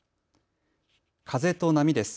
風と波です。